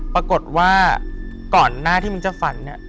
ปรากฏว่าก่อนหน้าที่มิ้งจะฝัน